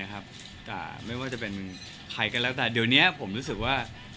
ไม่ว่าจะเป็นใครก็แล้วแต่เดี๋ยวนี้ผมรู้สึกว่า